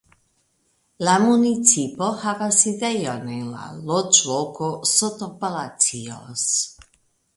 La municipo havas sidejon en la loĝloko Sotopalacios.